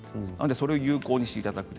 それを有効にしていただく。